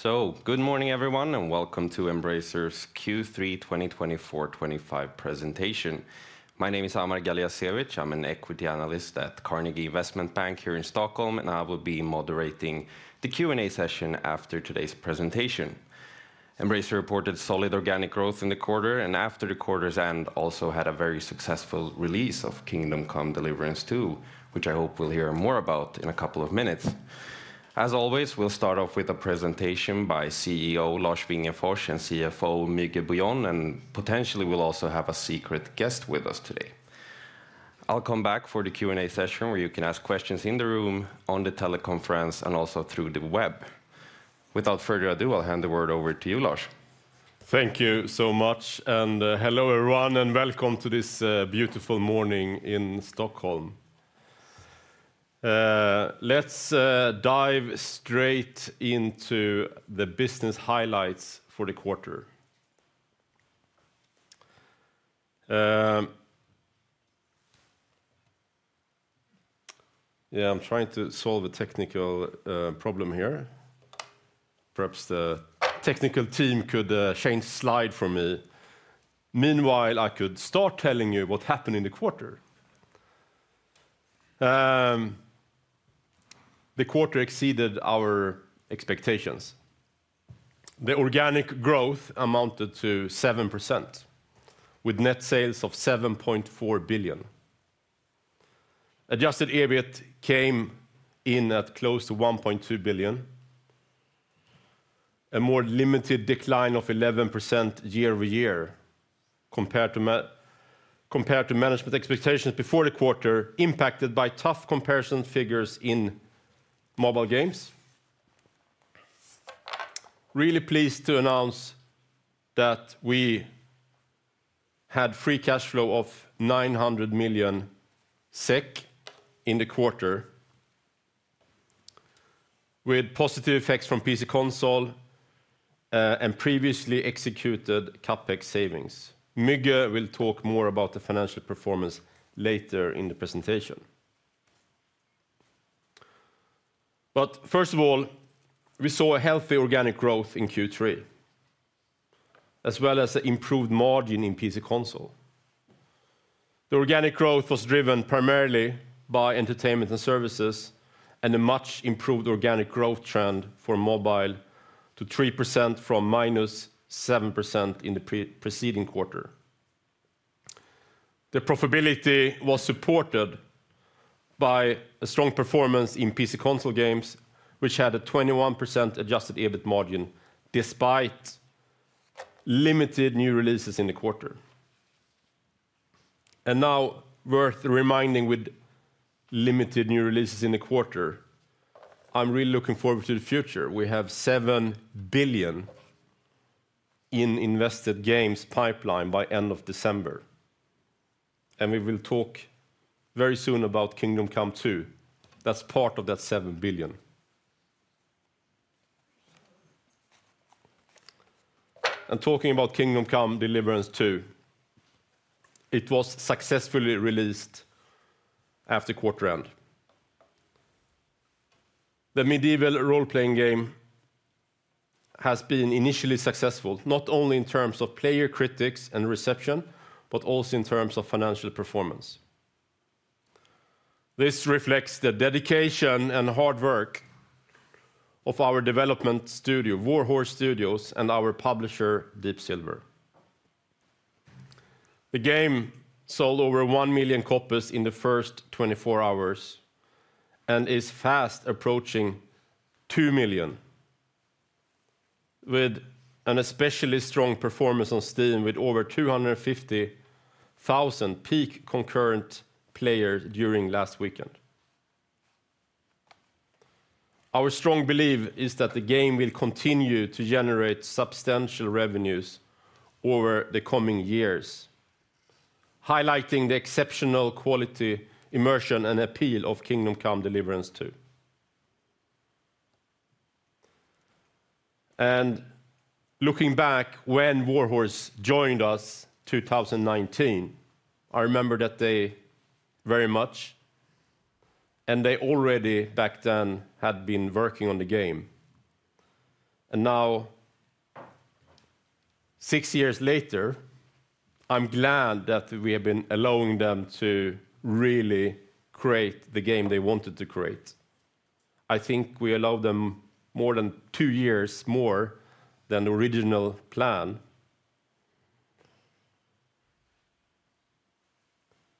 So, good morning, everyone, and welcome to Embracer's Q3 2024-2025 Presentation. My name is Amar Galijasevic. I'm an equity analyst at Carnegie Investment Bank here in Stockholm, and I will be moderating the Q&A session after today's presentation. Embracer reported solid organic growth in the quarter, and after the quarter's end, also had a very successful release of Kingdom Come: Deliverance II, which I hope we'll hear more about in a couple of minutes. As always, we'll start off with a presentation by CEO Lars Wingefors and CFO Müge Bouillon, and potentially we'll also have a secret guest with us today. I'll come back for the Q&A session where you can ask questions in the room, on the teleconference, and also through the web. Without further ado, I'll hand the word over to you, Lars. Thank you so much, and hello everyone, and welcome to this beautiful morning in Stockholm. Let's dive straight into the business highlights for the quarter. Yeah, I'm trying to solve a technical problem here. Perhaps the technical team could change slides for me. Meanwhile, I could start telling you what happened in the quarter. The quarter exceeded our expectations. The organic growth amounted to 7%, with net sales of 7.4 billion. Adjusted EBIT came in at close to 1.2 billion. A more limited decline of 11% year over year compared to management expectations before the quarter, impacted by tough comparison figures in mobile games. Really pleased to announce that we had free cash flow of 900 million SEK in the quarter, with positive effects from PC/console and previously executed CapEx savings. Müge will talk more about the financial performance later in the presentation. But first of all, we saw a healthy organic growth in Q3, as well as an improved margin in PC/console. The organic growth was driven primarily by entertainment and services, and a much improved organic growth trend for mobile to 3% from -7% in the preceding quarter. The profitability was supported by a strong performance in PC/console games, which had a 21% adjusted EBIT margin despite limited new releases in the quarter. And now, worth reminding, with limited new releases in the quarter, I'm really looking forward to the future. We have 7 billion in invested games pipeline by the end of December, and we will talk very soon about Kingdom Come II. That's part of that 7 billion. And talking about Kingdom Come: Deliverance II, it was successfully released after quarter end. The medieval role-playing game has been initially successful, not only in terms of players, critics, and reception, but also in terms of financial performance. This reflects the dedication and hard work of our development studio, Warhorse Studios, and our publisher, Deep Silver. The game sold over one million copies in the first 24 hours and is fast approaching two million, with an especially strong performance on Steam with over 250,000 peak concurrent players during last weekend. Our strong belief is that the game will continue to generate substantial revenues over the coming years, highlighting the exceptional quality, immersion, and appeal of Kingdom Come: Deliverance II, and looking back, when Warhorse joined us in 2019, I remember that day very much, and they already back then had been working on the game. And now, six years later, I'm glad that we have been allowing them to really create the game they wanted to create. I think we allowed them more than two years more than the original plan.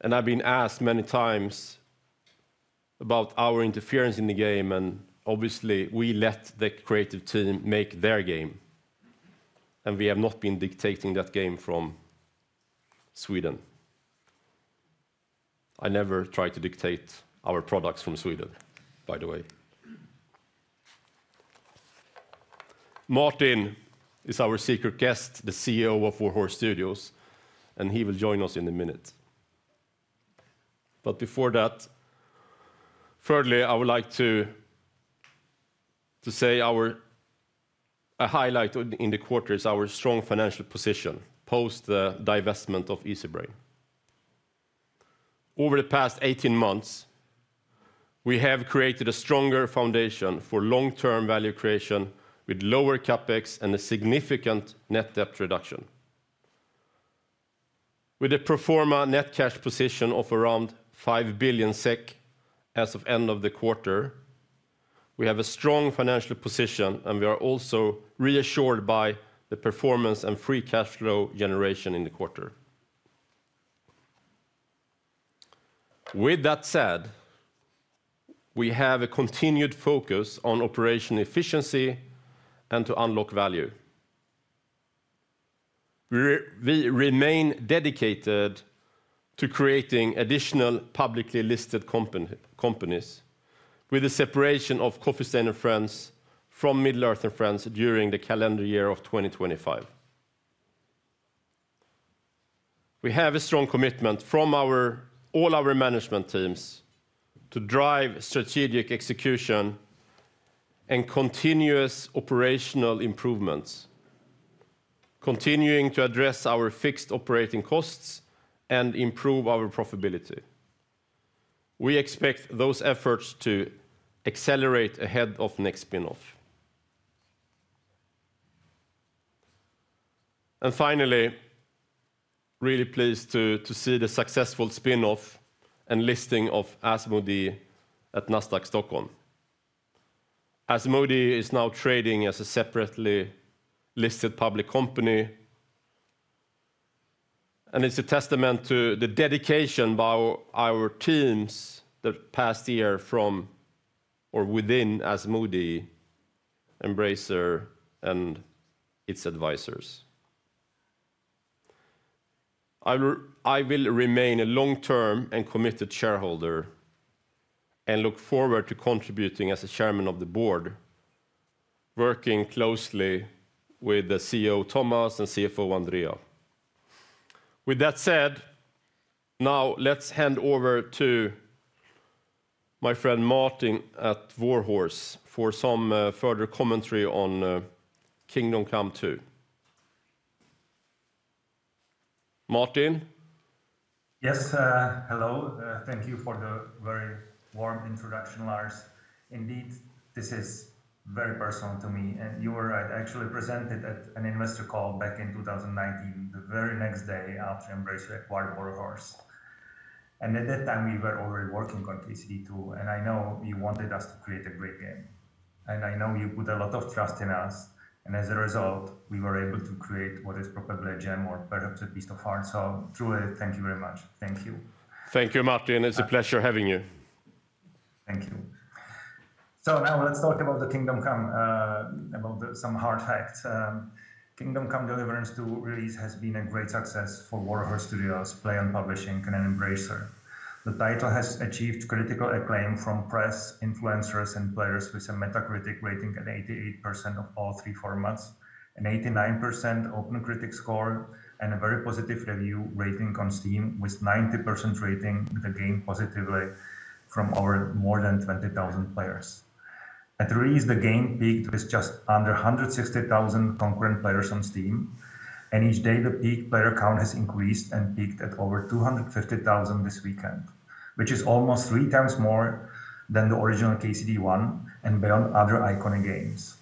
I've been asked many times about our interference in the game, and obviously, we let the creative team make their game, and we have not been dictating that game from Sweden. I never try to dictate our products from Sweden, by the way. Martin is our secret guest, the CEO of Warhorse Studios, and he will join us in a minute. But before that, thirdly, I would like to say our highlight in the quarter is our strong financial position post the divestment of Easybrain. Over the past 18 months, we have created a stronger foundation for long-term value creation with lower CapEx and a significant net debt reduction. With a pro forma net cash position of around 5 billion SEK as of the end of the quarter, we have a strong financial position, and we are also reassured by the performance and free cash flow generation in the quarter. With that said, we have a continued focus on operational efficiency and to unlock value. We remain dedicated to creating additional publicly listed companies, with the separation of Coffee Stain & Friends from Middle-earth Enterprises & Friends during the calendar year of 2025. We have a strong commitment from all our management teams to drive strategic execution and continuous operational improvements, continuing to address our fixed operating costs and improve our profitability. We expect those efforts to accelerate ahead of the next spin-off. Finally, really pleased to see the successful spin-off and listing of Asmodee at Nasdaq Stockholm. Asmodee is now trading as a separately listed public company, and it's a testament to the dedication by our teams the past year from or within Asmodee, Embracer, and its advisors. I will remain a long-term and committed shareholder and look forward to contributing as a chairman of the board, working closely with the CEO, Thomas, and CFO, Andrea. With that said, now let's hand over to my friend Martin at Warhorse for some further commentary on Kingdom Come II. Martin? Yes, hello. Thank you for the very warm introduction, Lars. Indeed, this is very personal to me. And you were actually presented at an investor call back in 2019, the very next day after Embracer acquired Warhorse. And at that time, we were already working on KCD2, and I know you wanted us to create a great game. And I know you put a lot of trust in us, and as a result, we were able to create what is probably a gem or perhaps a piece of art. So truly, thank you very much. Thank you. Thank you, Martin, and it's a pleasure having you. Thank you. So now let's talk about the Kingdom Come, about some hard facts. Kingdom Come: Deliverance II release has been a great success for Warhorse Studios, PLAION, and Embracer. The title has achieved critical acclaim from press, influencers, and players with a Metacritic rating at 88% of all three formats, an 89% OpenCritic score, and a very positive review rating on Steam, with a 90% rating of the game positively from our more than 20,000 players. At release, the game peaked with just under 160,000 concurrent players on Steam, and each day the peak player count has increased and peaked at over 250,000 this weekend, which is almost three times more than the original KCD1 and beyond other iconic games.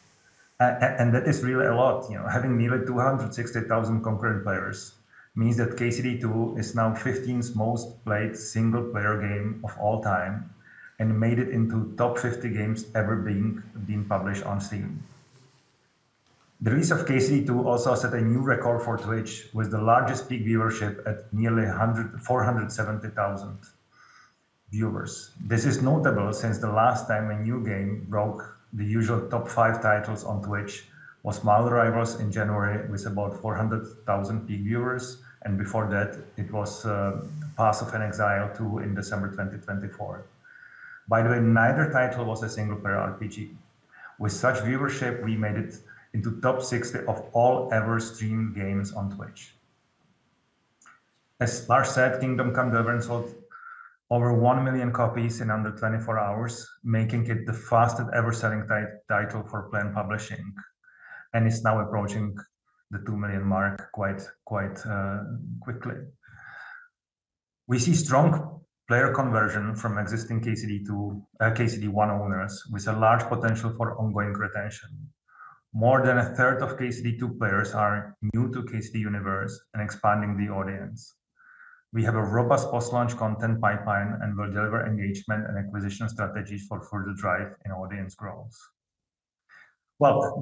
And that is really a lot. Having nearly 260,000 concurrent players means that KCD2 is now the 15th most played single-player game of all time and made it into the top 50 games ever being published on Steam. The release of KCD2 also set a new record for Twitch with the largest peak viewership at nearly 470,000 viewers. This is notable since the last time a new game broke the usual top five titles on Twitch was Marvel Rivals in January with about 400,000 peak viewers, and before that, it was Path of Exile 2 in December 2024. By the way, neither title was a single-player RPG. With such viewership, we made it into the top 60 of all-ever streamed games on Twitch. As Lars said, Kingdom Come: Deliverance sold over one million copies in under 24 hours, making it the fastest-ever selling title for PLAION, and it's now approaching the two million mark quite quickly. We see strong player conversion from existing KCD1 owners with a large potential for ongoing retention. More than a third of KCD2 players are new to the KCD universe and expanding the audience. We have a robust post-launch content pipeline and will deliver engagement and acquisition strategies for further drive in audience growth.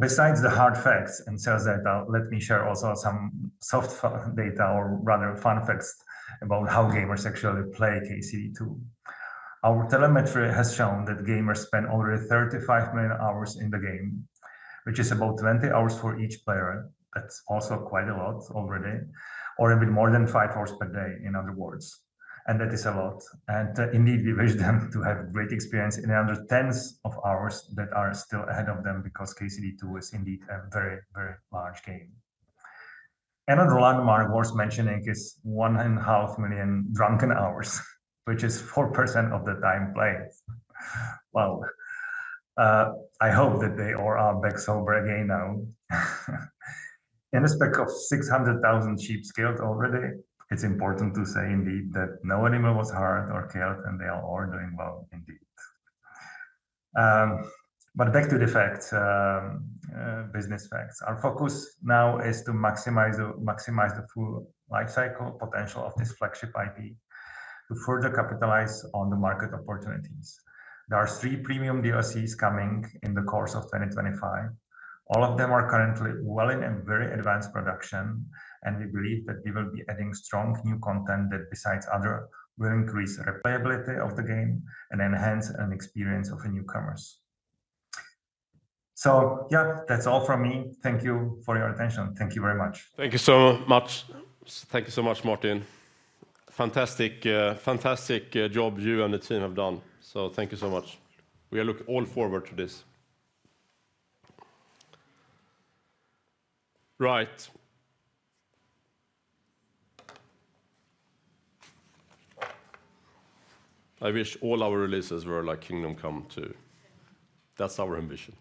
Besides the hard facts and sales data, let me share also some soft data, or rather fun facts, about how gamers actually play KCD2. Our telemetry has shown that gamers spend over 35 million hours in the game, which is about 20 hours for each player. That's also quite a lot already, or a bit more than five hours per day, in other words. That is a lot. Indeed, we wish them to have a great experience in under tens of hours that are still ahead of them because KCD2 is indeed a very, very large game. Another landmark worth mentioning is 1.5 million drunken hours, which is 4% of the time played. I hope that they all are back sober again now. In the span of 600,000 sheep killed already, it's important to say indeed that no animal was hurt or killed, and they are all doing well indeed. Back to the facts, business facts. Our focus now is to maximize the full lifecycle potential of this flagship IP to further capitalize on the market opportunities. There are three premium DLCs coming in the course of 2025. All of them are currently well in and very advanced production, and we believe that we will be adding strong new content that, besides other, will increase the replayability of the game and enhance the experience of newcomers. So yeah, that's all from me. Thank you for your attention. Thank you very much. Thank you so much. Thank you so much, Martin. Fantastic job you and the team have done. So thank you so much. We are all looking forward to this. Right. I wish all our releases were like Kingdom Come II. That's our ambition.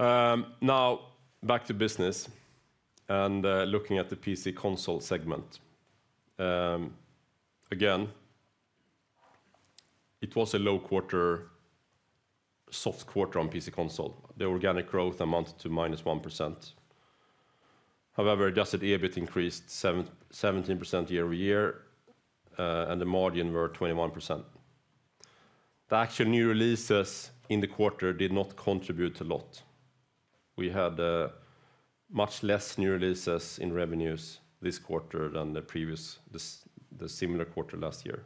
Now, back to business and looking at the PC/console segment. Again, it was a low quarter, soft quarter on PC/console. The organic growth amounted to -1%. However, adjusted EBIT increased 17% year over year, and the margin was 21%. The actual new releases in the quarter did not contribute a lot. We had much less new releases in revenues this quarter than the previous, the similar quarter last year.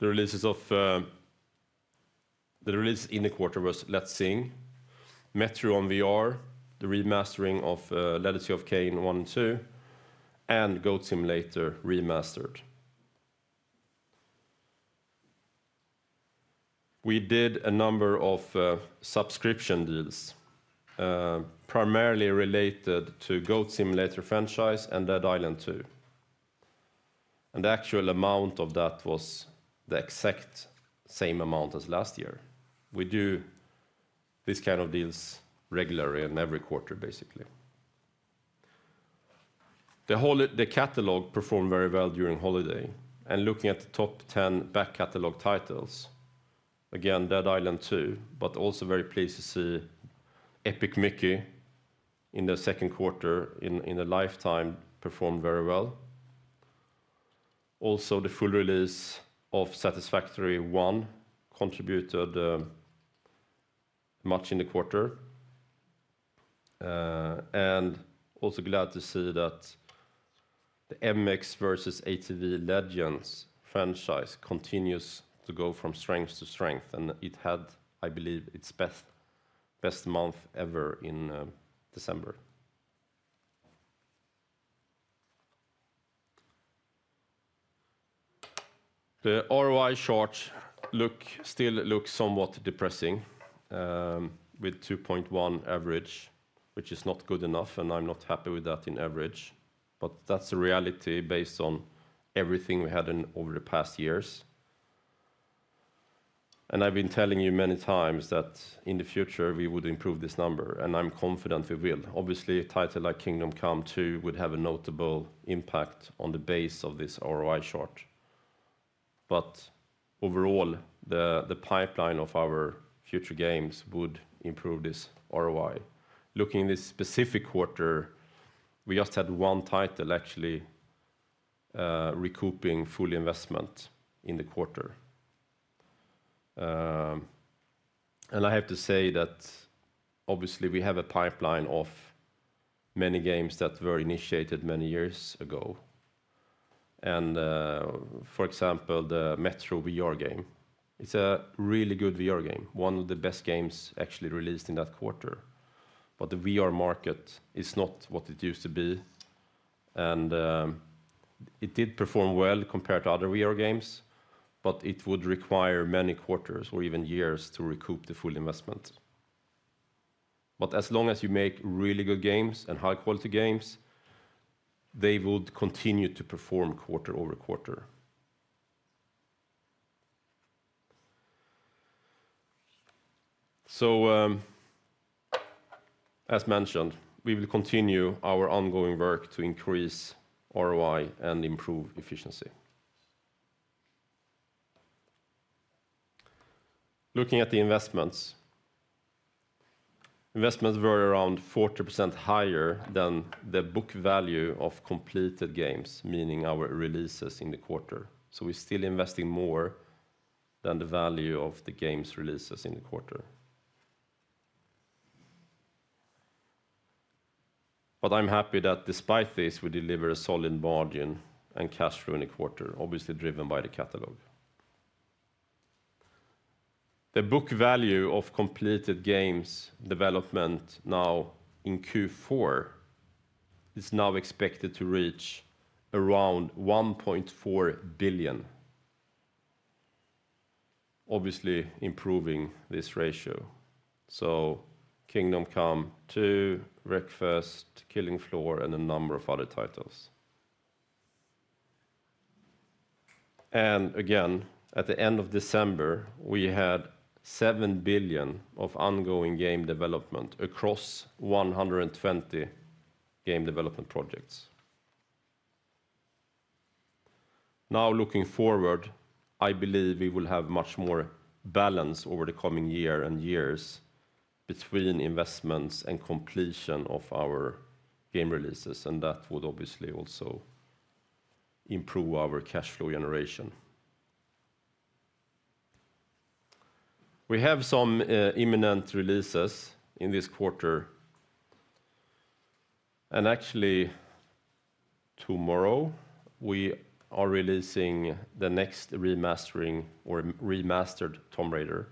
The releases in the quarter were let's see, Metro on VR, the remastering of Legacy of Kain 1&2, and Goat Simulator Remastered. We did a number of subscription deals, primarily related to Goat Simulator franchise and Dead Island 2. The actual amount of that was the exact same amount as last year. We do these kinds of deals regularly and every quarter, basically. The catalog performed very well during holiday. Looking at the top 10 back catalog titles, again, Dead Island 2, but also very pleased to see Epic Mickey in the Q2 in a lifetime performed very well. Also, the full release of Satisfactory 1 contributed much in the quarter. Also glad to see that the MX vs. ATV Legends franchise continues to go from strength to strength, and it had, I believe, its best month ever in December. The ROI chart still looks somewhat depressing with 2.1 average, which is not good enough, and I'm not happy with that in average. But that's a reality based on everything we had over the past years. And I've been telling you many times that in the future, we would improve this number, and I'm confident we will. Obviously, a title like Kingdom Come II would have a notable impact on the base of this ROI chart. But overall, the pipeline of our future games would improve this ROI. Looking at this specific quarter, we just had one title actually recouping full investment in the quarter. And I have to say that obviously we have a pipeline of many games that were initiated many years ago. And for example, the Metro VR game. It's a really good VR game, one of the best games actually released in that quarter. But the VR market is not what it used to be. And it did perform well compared to other VR games, but it would require many quarters or even years to recoup the full investment. But as long as you make really good games and high-quality games, they would continue to perform quarter over quarter. So as mentioned, we will continue our ongoing work to increase ROI and improve efficiency. Looking at the investments, investments were around 40% higher than the book value of completed games, meaning our releases in the quarter. So we're still investing more than the value of the game's releases in the quarter. But I'm happy that despite this, we deliver a solid margin and cash flow in the quarter, obviously driven by the catalog. The book value of completed games development now in Q4 is now expected to reach around 1.4 billion, obviously improving this ratio. Kingdom Come II, Wreckfest, Killing Floor, and a number of other titles. Again, at the end of December, we had seven billion SEK of ongoing game development across 120 game development projects. Now looking forward, I believe we will have much more balance over the coming year and years between investments and completion of our game releases, and that would obviously also improve our cash flow generation. We have some imminent releases in this quarter. Actually, tomorrow, we are releasing the next remastering or Remastered Tomb Raider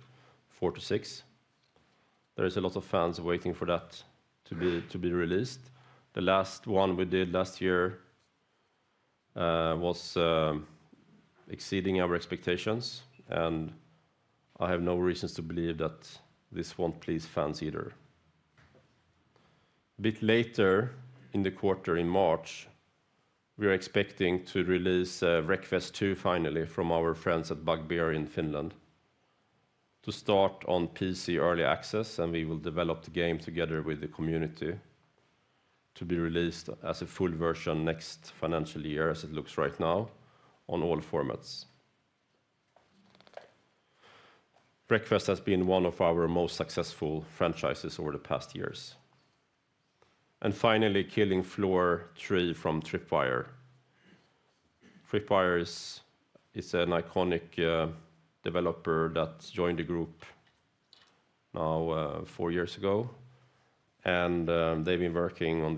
IV-VI. There is a lot of fans waiting for that to be released. The last one we did last year was exceeding our expectations, and I have no reasons to believe that this won't please fans either. A bit later in the quarter, in March, we are expecting to release Wreckfest 2 finally from our friends at Bugbear in Finland to start on PC early access, and we will develop the game together with the community to be released as a full version next financial year as it looks right now on all formats. Wreckfest has been one of our most successful franchises over the past years, and finally, Killing Floor 3 from Tripwire. Tripwire is an iconic developer that joined the group now four years ago, and they've been working on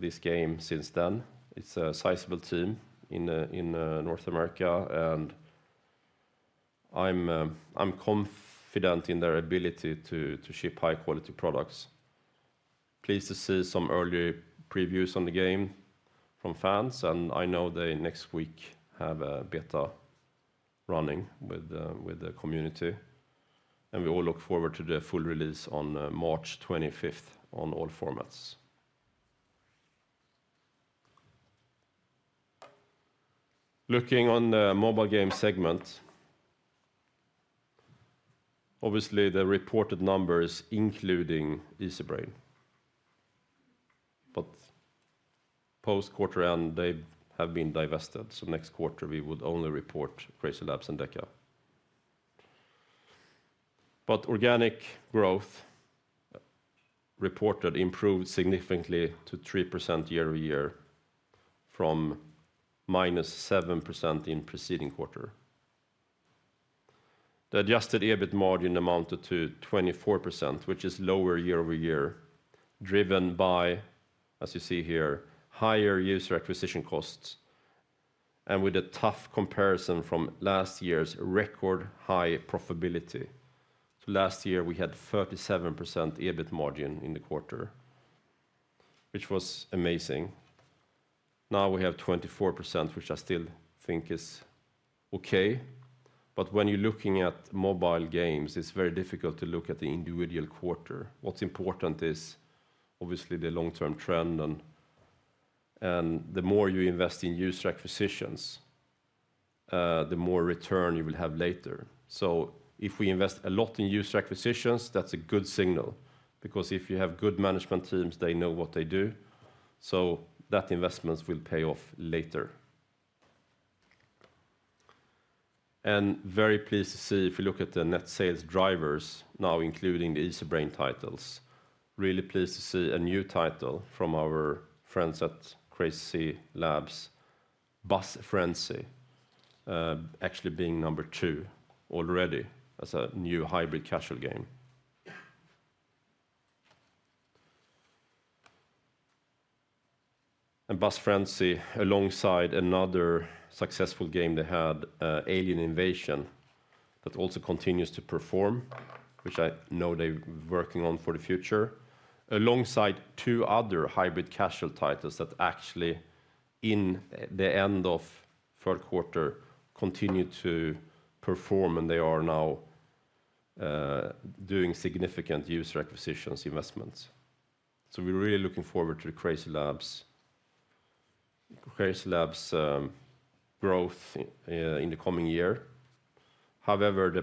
this game since then. It's a sizable team in North America, and I'm confident in their ability to ship high-quality products. Pleased to see some early previews on the game from fans, and I know they next week have a beta running with the community. We all look forward to the full release on 25 March on all formats. Looking on the mobile game segment, obviously the reported numbers including Easybrain. Post-quarter end, they have been divested, so next quarter we would only report CrazyLabs and DECA. Organic growth reported improved significantly to 3% year over year from -7% in preceding quarter. The Adjusted EBIT margin amounted to 24%, which is lower year over year, driven by, as you see here, higher user acquisition costs and with a tough comparison from last year's record high profitability. Last year, we had 37% EBIT margin in the quarter, which was amazing. Now we have 24%, which I still think is okay. When you're looking at mobile games, it's very difficult to look at the individual quarter. What's important is obviously the long-term trend, and the more you invest in user acquisitions, the more return you will have later. So if we invest a lot in user acquisitions, that's a good signal because if you have good management teams, they know what they do. So that investment will pay off later. And very pleased to see if you look at the net sales drivers now, including the Easybrain titles. Really pleased to see a new title from our friends at CrazyLabs, Bus Frenzy, actually being number two already as a new hybrid casual game. And Bus Frenzy, alongside another successful game they had, Alien Invasion, that also continues to perform, which I know they're working on for the future, alongside two other hybrid casual titles that actually in the end of third quarter continue to perform, and they are now doing significant user acquisitions investments. So we're really looking forward to the CrazyLabs' growth in the coming year. However, the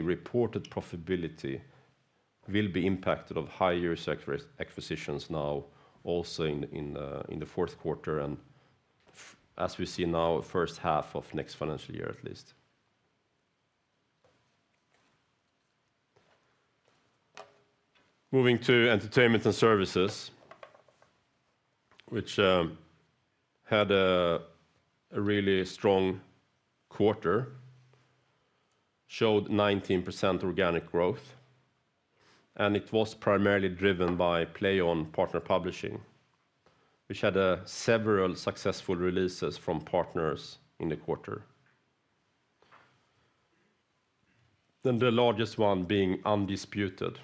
reported profitability will be impacted by high user acquisitions now also in the fourth quarter and as we see now, first half of next financial year at least. Moving to entertainment and services, which had a really strong quarter, showed 19% organic growth, and it was primarily driven by PLAION partner publishing, which had several successful releases from partners in the quarter. Then the largest one being Undisputed,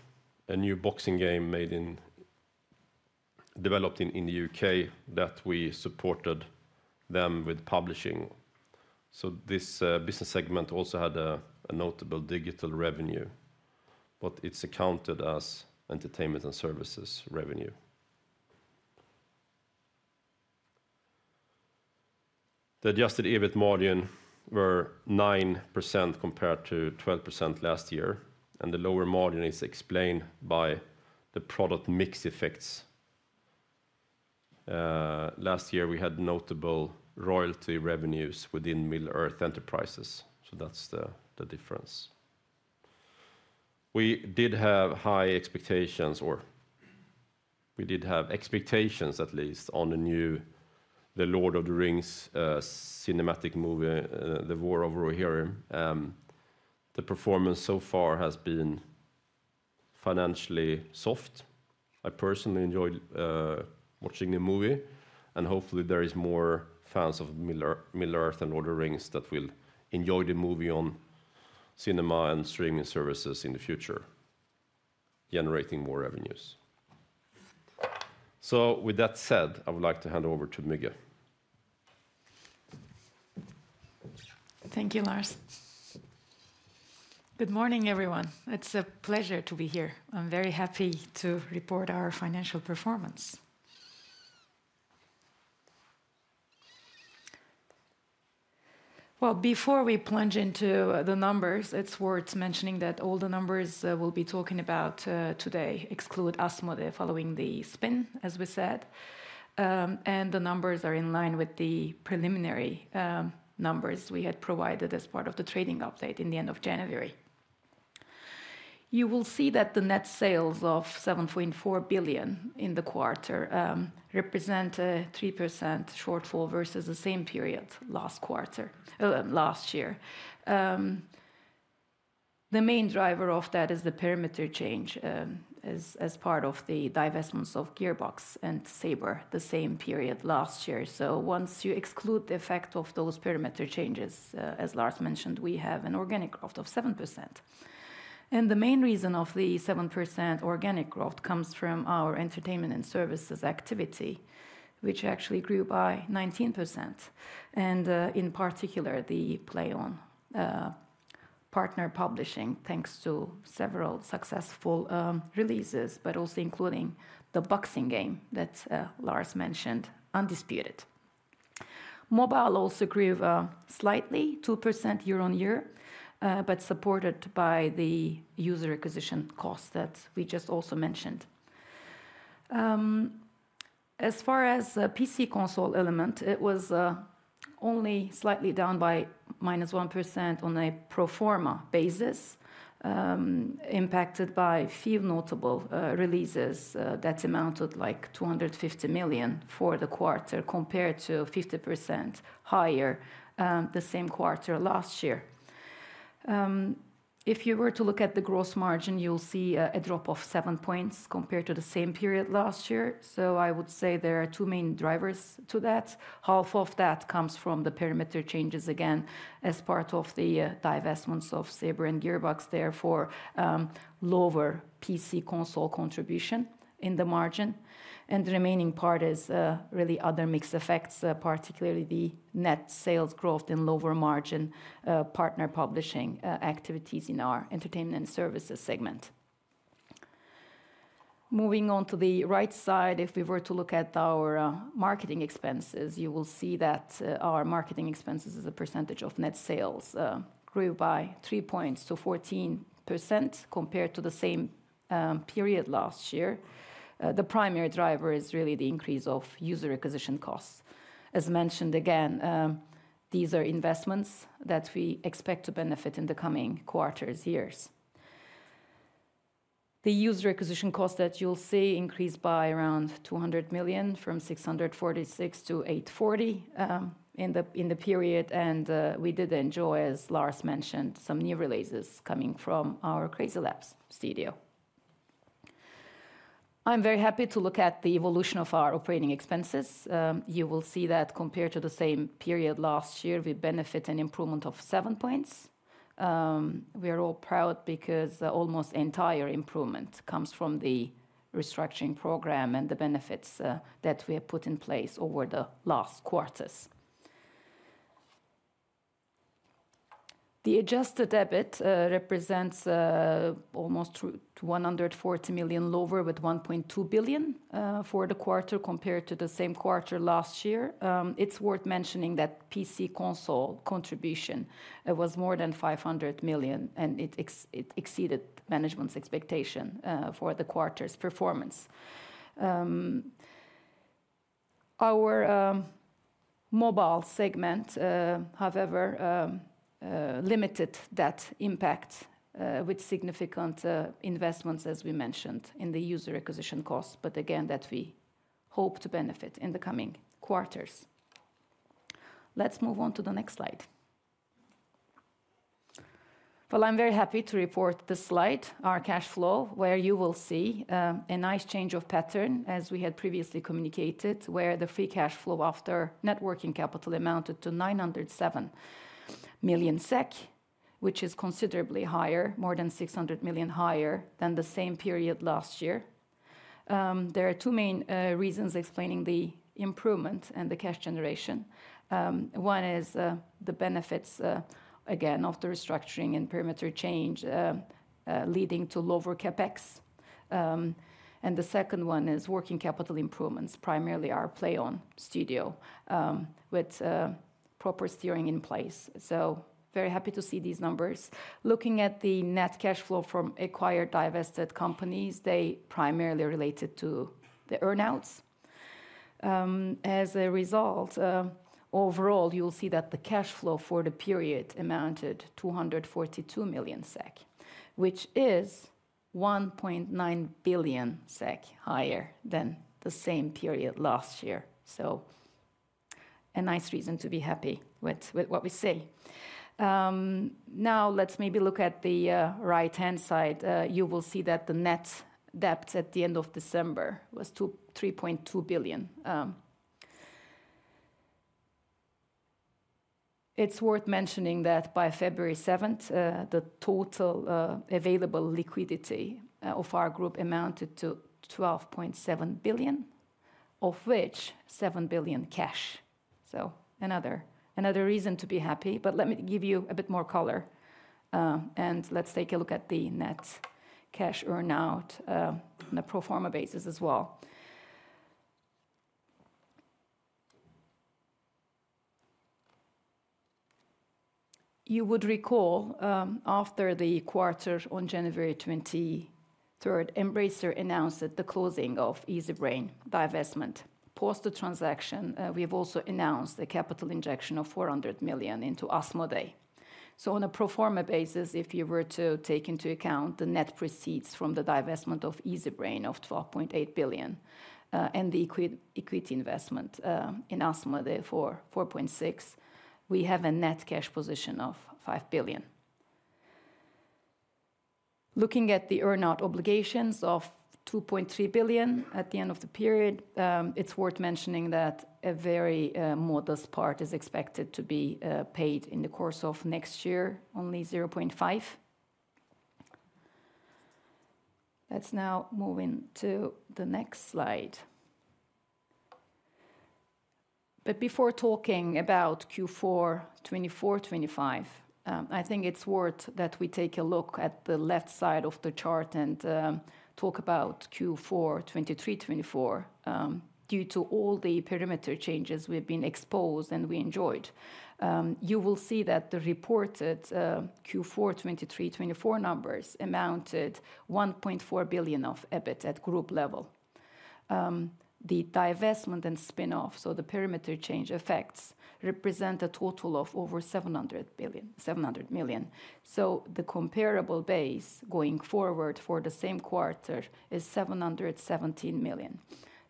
a new boxing game developed in the U.K. that we supported them with publishing. So this business segment also had a notable digital revenue, but it's accounted as entertainment and services revenue. The adjusted EBIT margin was 9% compared to 12% last year, and the lower margin is explained by the product mix effects. Last year, we had notable royalty revenues within Middle-earth Enterprises, so that's the difference. We did have high expectations, or we did have expectations at least on the new Lord of the Rings cinematic movie, The War of the Rohirrim. The performance so far has been financially soft. I personally enjoyed watching the movie, and hopefully there are more fans of Middle-earth and Lord of the Rings that will enjoy the movie on cinema and streaming services in the future, generating more revenues. So with that said, I would like to hand over to Müge. Thank you, Lars. Good morning, everyone. It's a pleasure to be here. I'm very happy to report our financial performance. Well, before we plunge into the numbers, it's worth mentioning that all the numbers we'll be talking about today exclude Asmodee following the spin, as we said. And the numbers are in line with the preliminary numbers we had provided as part of the trading update in the end of January. You will see that the net sales of 7.4 billion in the quarter represent a 3% shortfall versus the same period last year. The main driver of that is the perimeter change as part of the divestments of Gearbox and Saber, the same period last year. So once you exclude the effect of those perimeter changes, as Lars mentioned, we have an organic growth of 7%. And the main reason of the 7% organic growth comes from our entertainment and services activity, which actually grew by 19%, and in particular the PLAION partner publishing thanks to several successful releases, but also including the boxing game that Lars mentioned, Undisputed. Mobile also grew slightly, 2% year on year, but supported by the user acquisition cost that we just also mentioned. As far as the PC/console element, it was only slightly down by -1% on a pro forma basis, impacted by a few notable releases that amounted to like 250 million for the quarter compared to 50% higher the same quarter last year. If you were to look at the gross margin, you'll see a drop of 7 points compared to the same period last year. So I would say there are two main drivers to that. Half of that comes from the perimeter changes again as part of the divestments of Saber and Gearbox, therefore lower PC/console contribution in the margin. And the remaining part is really other mixed effects, particularly the net sales growth in lower margin partner publishing activities in our entertainment and services segment. Moving on to the right side, if we were to look at our marketing expenses, you will see that our marketing expenses as a percentage of net sales grew by 3 points to 14% compared to the same period last year. The primary driver is really the increase of user acquisition costs. As mentioned again, these are investments that we expect to benefit in the coming quarters, years. The user acquisition costs that you'll see increased by around 200 million from 646 to 840 in the period, and we did enjoy, as Lars mentioned, some new releases coming from our CrazyLabs studio. I'm very happy to look at the evolution of our operating expenses. You will see that compared to the same period last year, we benefit an improvement of 7 points. We are all proud because almost entire improvement comes from the restructuring program and the benefits that we have put in place over the last quarters. The Adjusted EBIT represents almost 140 million lower with 1.2 billion for the quarter compared to the same quarter last year. It's worth mentioning that PC/console contribution was more than 500 million, and it exceeded management's expectation for the quarter's performance. Our mobile segment, however, limited that impact with significant investments, as we mentioned, in the user acquisition costs, but again, that we hope to benefit in the coming quarters. Let's move on to the next slide. I'm very happy to report this slide, our cash flow, where you will see a nice change of pattern as we had previously communicated, where the free cash flow after net working capital amounted to 907 million SEK, which is considerably higher, more than 600 million higher than the same period last year. There are two main reasons explaining the improvement and the cash generation. One is the benefits, again, of the restructuring and perimeter change leading to lower CapEx. The second one is working capital improvements, primarily our PLAION studio with proper steering in place. Very happy to see these numbers. Looking at the net cash flow from acquired and divested companies, they primarily related to the earnouts. As a result, overall, you'll see that the cash flow for the period amounted to 242 million SEK, which is 1.9 billion SEK higher than the same period last year. So a nice reason to be happy with what we see. Now, let's maybe look at the right-hand side. You will see that the net debt at the end of December was 3.2 billion. It's worth mentioning that by 7 February, the total available liquidity of our group amounted to 12.7 billion, of which 7 billion cash. So another reason to be happy. But let me give you a bit more color, and let's take a look at the net cash earnout on a pro forma basis as well. You would recall after the quarter on 23 January, Embracer announced that the closing of Easybrain divestment. Post the transaction, we have also announced a capital injection of 400 million into Asmodee. On a pro forma basis, if you were to take into account the net proceeds from the divestment of Easybrain of 12.8 billion and the equity investment in Asmodee for 4.6 billion, we have a net cash position of 5 billion. Looking at the earnout obligations of 2.3 billion at the end of the period, it's worth mentioning that a very modest part is expected to be paid in the course of next year, only 0.5 billion. Let's now move into the next slide, but before talking about Q4 2024-2025, I think it's worth that we take a look at the left side of the chart and talk about Q4 2023-2024 due to all the perimeter changes we've been exposed and we enjoyed. You will see that the reported Q4 2023-2024 numbers amounted to 1.4 billion of EBIT at group level. The divestment and spin-off, so the perimeter change effects, represent a total of over 700 million. So the comparable base going forward for the same quarter is 717 million.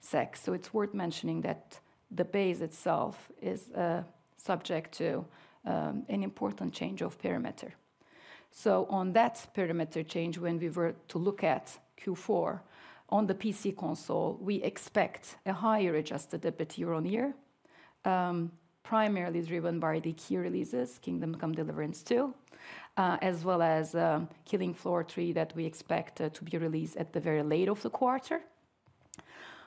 So it's worth mentioning that the base itself is subject to an important change of perimeter. So on that perimeter change, when we were to look at Q4, on the PC/console, we expect a higher adjusted EBIT year on year, primarily driven by the key releases, Kingdom Come: Deliverance II, as well as Killing Floor 3 that we expect to be released at the very late of the quarter.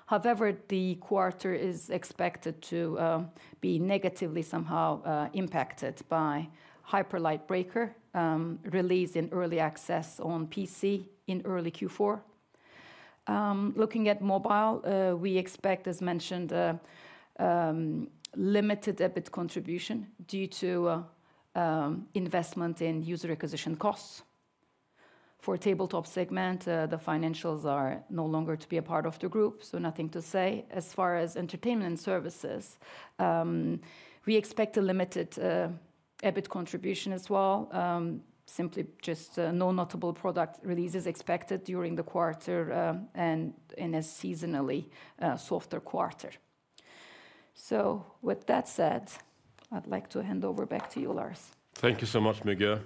However, the quarter is expected to be negatively somehow impacted by Hyper Light Breaker release in early access on PC in early Q4. Looking at mobile, we expect, as mentioned, limited EBIT contribution due to investment in user acquisition costs. For tabletop segment, the financials are no longer to be a part of the group, so nothing to say. As far as entertainment and services, we expect a limited EBIT contribution as well, simply just no notable product releases expected during the quarter and in a seasonally softer quarter. So with that said, I'd like to hand over back to you, Lars. Thank you so much, Müge.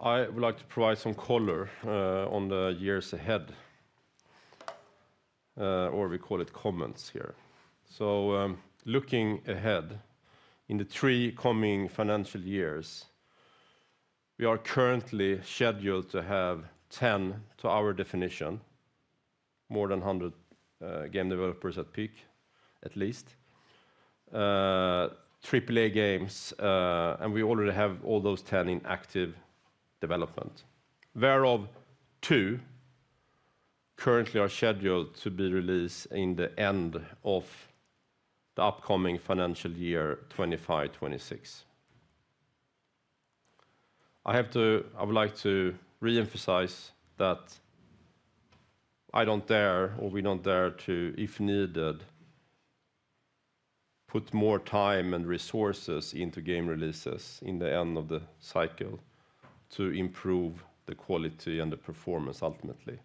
I would like to provide some color on the years ahead, or we call it comments here. So looking ahead in the three coming financial years, we are currently scheduled to have 10, to our definition, more than 100 game developers at peak, at least, AAA games, and we already have all those 10 in active development, whereof two currently are scheduled to be released in the end of the upcoming financial year 2025-26. I would like to re-emphasize that I don't dare, or we don't dare, to, if needed, put more time and resources into game releases in the end of the cycle to improve the quality and the performance ultimately.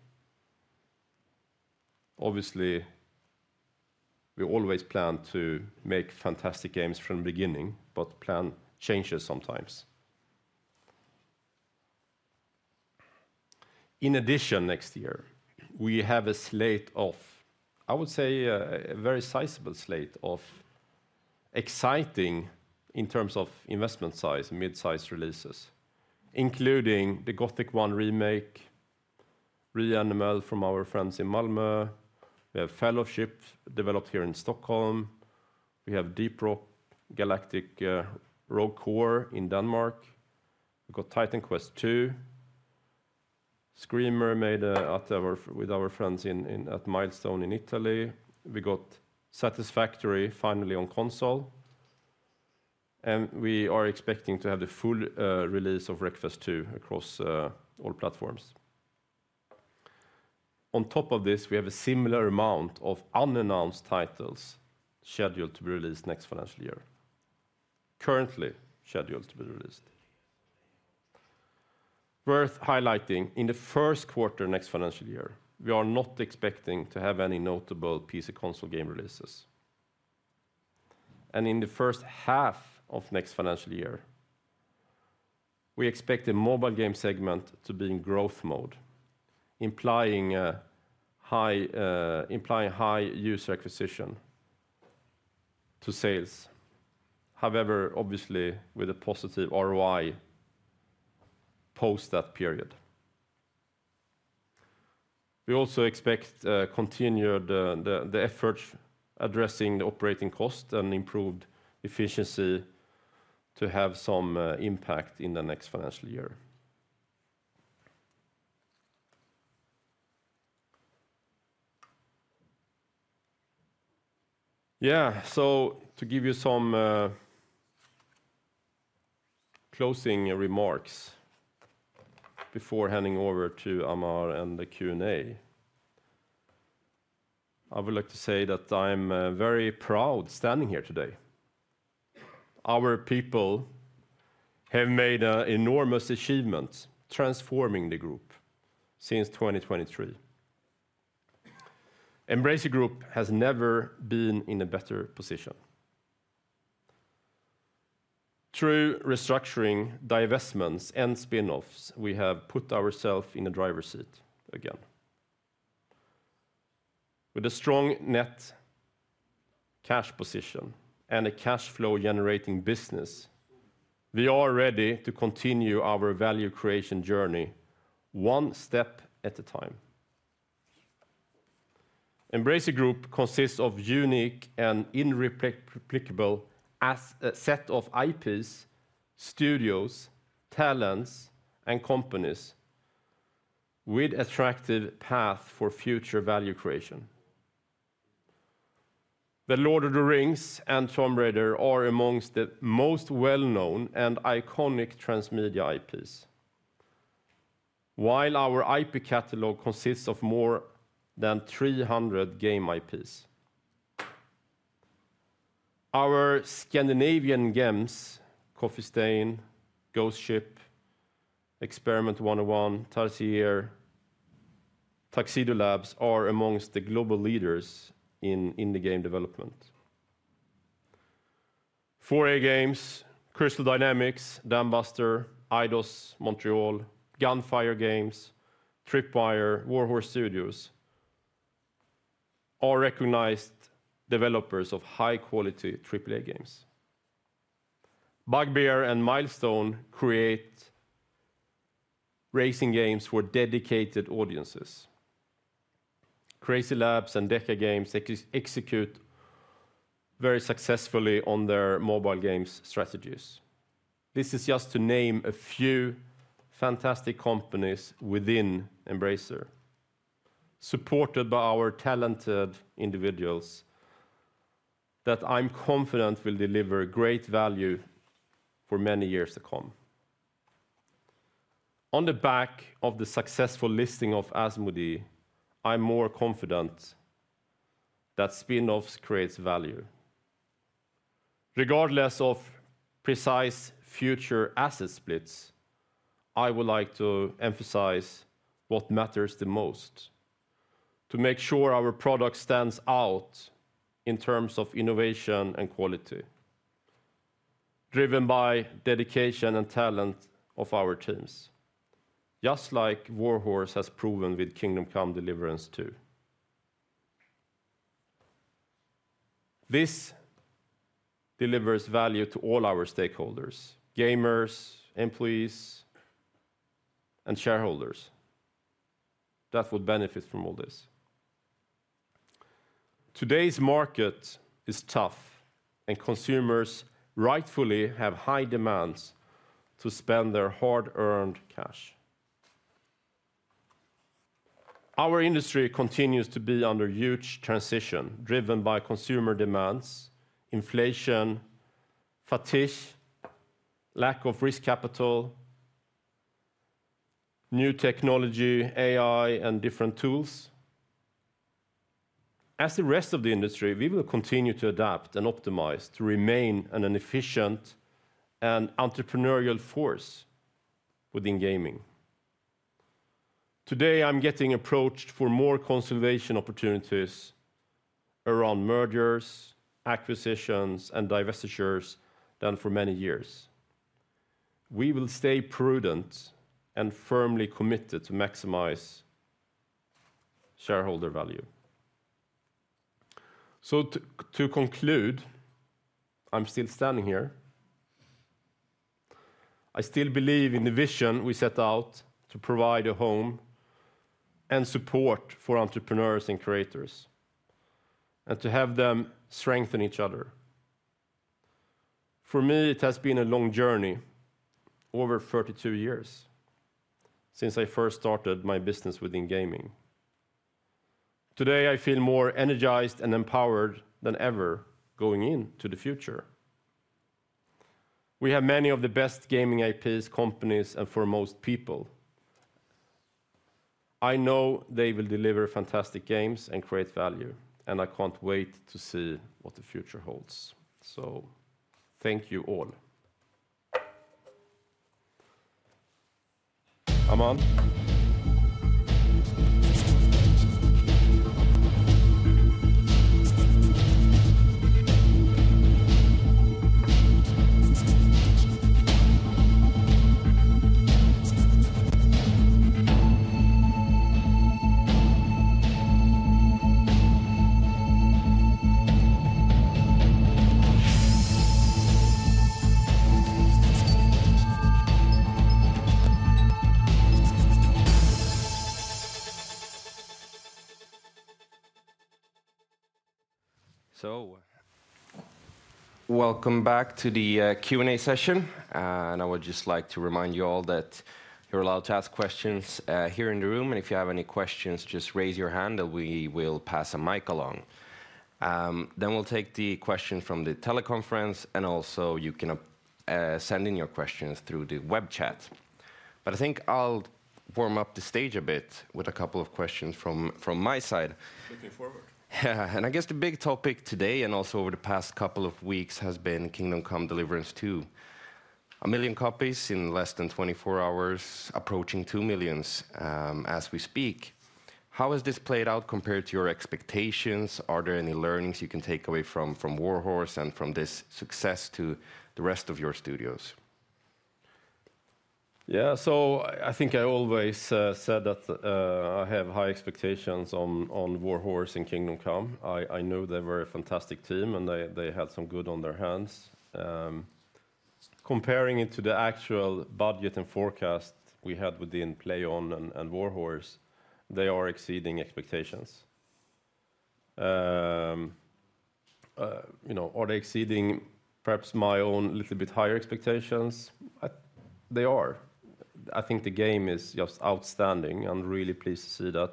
Obviously, we always plan to make fantastic games from the beginning, but plan changes sometimes. In addition, next year, we have a slate of, I would say, a very sizable slate of exciting in terms of investment size, midsize releases, including the Gothic 1 Remake, REANIMAL from our friends in Malmö. We have Fellowship developed here in Stockholm. We have Deep Rock Galactic: Rogue Core in Denmark. We got Titan Quest II. Screamer made with our friends at Milestone in Italy. We got Satisfactory finally on console, and we are expecting to have the full release of Wreckfest 2 across all platforms. On top of this, we have a similar amount of unannounced titles scheduled to be released next financial year. Worth highlighting, in the first quarter next financial year, we are not expecting to have any notable PC/console Game releases, and in the first half of next financial year, we expect the mobile game segment to be in growth mode, implying high user acquisition to sales, however, obviously with a positive ROI post that period. We also expect continued efforts addressing the operating cost and improved efficiency to have some impact in the next financial year. Yeah, so to give you some closing remarks before handing over to Amar and the Q&A, I would like to say that I'm very proud standing here today. Our people have made enormous achievements transforming the group since 2023. Embracer Group has never been in a better position. Through restructuring, divestments, and spin-offs, we have put ourselves in the driver's seat again. With a strong net cash position and a cash flow-generating business, we are ready to continue our value creation journey one step at a time. Embracer Group consists of unique and irreplicable set of IPs, studios, talents, and companies with an attractive path for future value creation. The Lord of the Rings and Tomb Raider are among the most well-known and iconic transmedia IPs, while our IP catalog consists of more than 300 game IPs. Our Scandinavian gems, Coffee Stain, Ghost Ship, Experiment 101, Tarsier, Tuxedo Labs, are among the global leaders in indie game development. 4A Games, Crystal Dynamics, Dambuster, Eidos-Montréal, Gunfire Games, Tripwire, Warhorse Studios are recognized developers of high-quality AAA games. Bugbear and Milestone create racing games for dedicated audiences. CrazyLabs and DECA Games execute very successfully on their mobile games strategies. This is just to name a few fantastic companies within Embracer, supported by our talented individuals that I'm confident will deliver great value for many years to come. On the back of the successful listing of Asmodee, I'm more confident that spin-offs create value. Regardless of precise future asset splits, I would like to emphasize what matters the most to make sure our product stands out in terms of innovation and quality, driven by dedication and talent of our teams, just like Warhorse has proven with Kingdom Come: Deliverance II. This delivers value to all our stakeholders, gamers, employees, and shareholders that would benefit from all this. Today's market is tough, and consumers rightfully have high demands to spend their hard-earned cash. Our industry continues to be under huge transition driven by consumer demands, inflation, fatigue, lack of risk capital, new technology, AI, and different tools. As the rest of the industry, we will continue to adapt and optimize to remain an efficient and entrepreneurial force within gaming. Today, I'm getting approached for more consolidation opportunities around mergers, acquisitions, and divestitures than for many years. We will stay prudent and firmly committed to maximize shareholder value. So to conclude, I'm still standing here. I still believe in the vision we set out to provide a home and support for entrepreneurs and creators and to have them strengthen each other. For me, it has been a long journey, over 32 years, since I first started my business within gaming. Today, I feel more energized and empowered than ever going into the future. We have many of the best gaming IPs, companies, and foremost people. I know they will deliver fantastic games and create value, and I can't wait to see what the future holds. So thank you all. Amar. So welcome back to the Q&A session. And I would just like to remind you all that you're allowed to ask questions here in the room. And if you have any questions, just raise your hand, and we will pass a mic along. Then we'll take the question from the teleconference, and also you can send in your questions through the web chat. But I think I'll warm up the stage a bit with a couple of questions from my side. Looking forward. Yeah, and I guess the big topic today, and also over the past couple of weeks, has been Kingdom Come: Deliverance II. A million copies in less than 24 hours, approaching 2 million as we speak. How has this played out compared to your expectations? Are there any learnings you can take away from Warhorse and from this success to the rest of your studios? Yeah, so I think I always said that I have high expectations on Warhorse and Kingdom Come. I know they're a very fantastic team, and they had some good on their hands. Comparing it to the actual budget and forecast we had within PLAION and Warhorse, they are exceeding expectations. Are they exceeding perhaps my own little bit higher expectations? They are. I think the game is just outstanding. I'm really pleased to see that,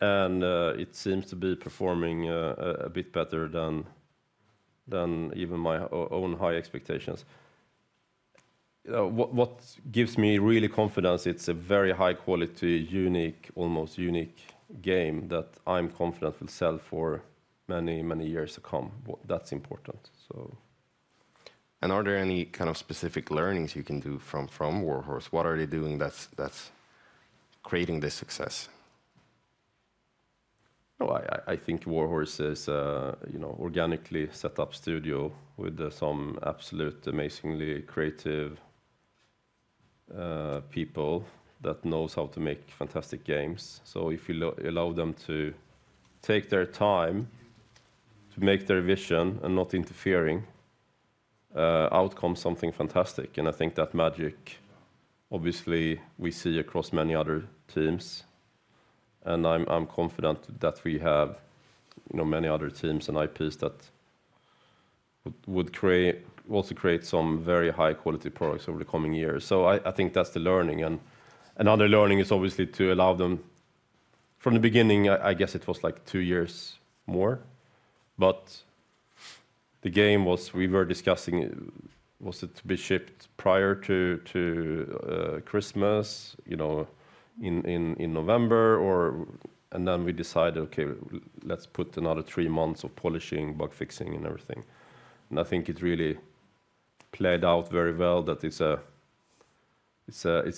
and it seems to be performing a bit better than even my own high expectations. What gives me really confidence? It's a very high-quality, unique, almost unique game that I'm confident will sell for many, many years to come. That's important. And are there any kind of specific learnings you can do from Warhorse? What are they doing that's creating this success? I think Warhorse is an organically set up studio with some absolute, amazingly creative people that know how to make fantastic games. So if you allow them to take their time to make their vision and not interfering, out comes something fantastic. And I think that magic, obviously, we see across many other teams. And I'm confident that we have many other teams and IPs that would also create some very high-quality products over the coming years. So I think that's the learning. And another learning is obviously to allow them from the beginning, I guess it was like two years more. But the game we were discussing—was it to be shipped prior to Christmas in November? And then we decided, okay, let's put another three months of polishing, bug fixing, and everything. And I think it really played out very well that it's a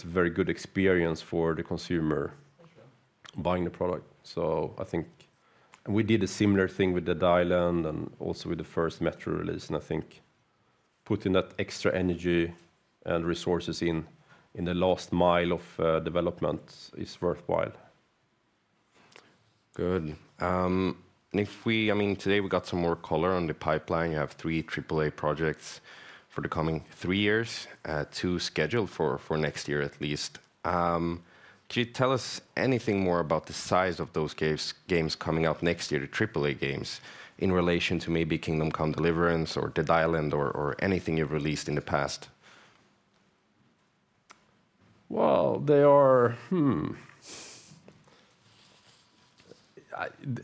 very good experience for the consumer buying the product. So I think we did a similar thing with Dead Island and also with the first Metro release. And I think putting that extra energy and resources in the last mile of development is worthwhile. Good. I mean, today we got some more color on the pipeline. You have three AAA projects for the coming three years, two scheduled for next year at least. Could you tell us anything more about the size of those games coming out next year, the AAA games, in relation to maybe Kingdom Come: Deliverance or Dead Island or anything you've released in the past? Well,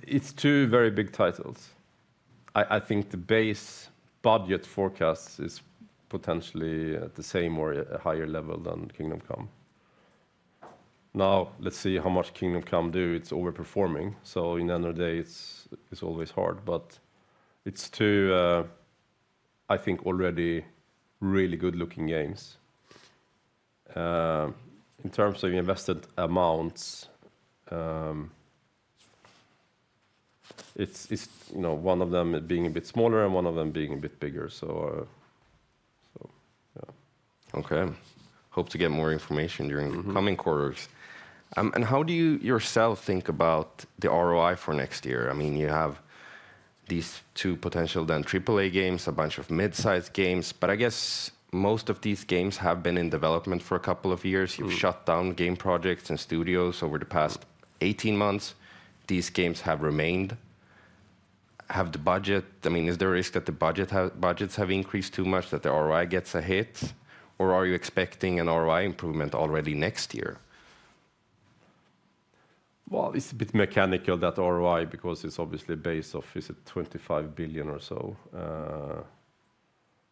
it's two very big titles. I think the base budget forecast is potentially at the same or a higher level than Kingdom Come. Now, let's see how much Kingdom Come do. It's overperforming. So in the end of the day, it's always hard. But it's two, I think, already really good-looking games. In terms of invested amounts, one of them being a bit smaller and one of them being a bit bigger. So yeah. Okay. Hope to get more information during the coming quarters. And how do you yourself think about the ROI for next year? I mean, you have these two potential then AAA games, a bunch of mid-sized games. But I guess most of these games have been in development for a couple of years. You've shut down game projects and studios over the past 18 months. These games have remained. Have the budget? I mean, is there a risk that the budgets have increased too much that the ROI gets a hit? Or are you expecting an ROI improvement already next year? Well, it's a bit mechanical, that ROI, because it's obviously based off, is it 25 billion or so?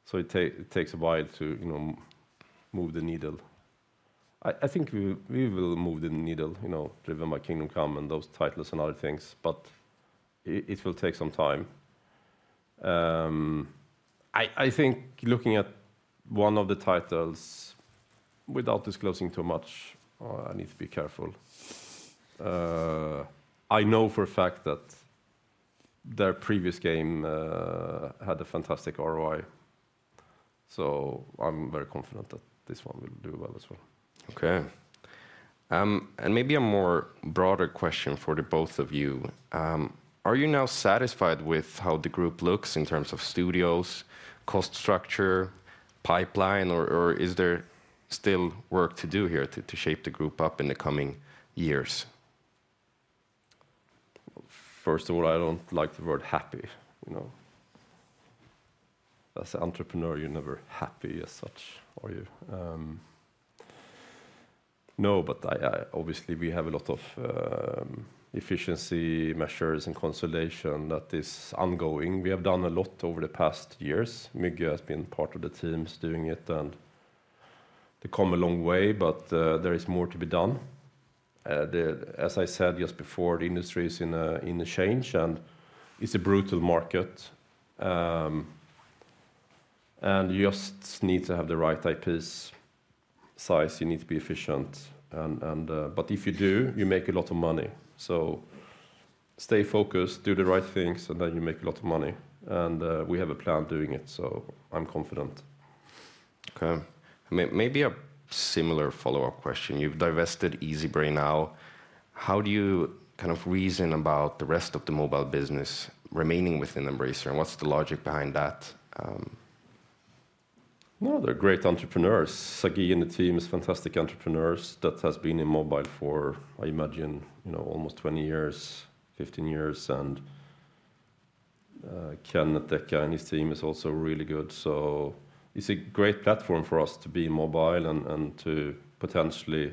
So it takes a while to move the needle. I think we will move the needle driven by Kingdom Come and those titles and other things. But it will take some time. I think looking at one of the titles, without disclosing too much, I need to be careful. I know for a fact that their previous game had a fantastic ROI. So I'm very confident that this one will do well as well. Okay. And maybe a more broader question for the both of you. Are you now satisfied with how the group looks in terms of studios, cost structure, pipeline, or is there still work to do here to shape the group up in the coming years? First of all, I don't like the word happy. As an entrepreneur, you're never happy as such, are you? No, but obviously, we have a lot of efficiency measures and consolidation that is ongoing. We have done a lot over the past years. Müge has been part of the teams doing it, and they've come a long way, but there is more to be done. As I said just before, the industry is in a change, and it's a brutal market. And you just need to have the right IPs size. You need to be efficient. But if you do, you make a lot of money. So stay focused, do the right things, and then you make a lot of money. And we have a plan of doing it, so I'm confident. Okay. Maybe a similar follow-up question. You've divested Easybrain now. How do you kind of reason about the rest of the mobile business remaining within Embracer? And what's the logic behind that? No, they're great entrepreneurs. Sagi and the team are fantastic entrepreneurs that have been in mobile for, I imagine, almost 20 years, 15 years. And Ken and DECA and his team are also really good. So it's a great platform for us to be mobile and to potentially